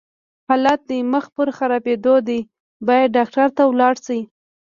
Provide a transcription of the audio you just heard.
حالت دې مخ پر خرابيدو دی، بايد ډاکټر ته ولاړ شې!